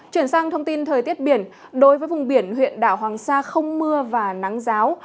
chuyển sang thông tin thời tiết biển đối với vùng biển huyện đảo hoàng sa không mưa và nắng giáo